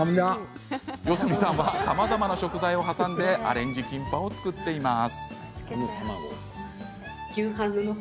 四角さんはさまざまな食材を挟んでアレンジキンパを作っています。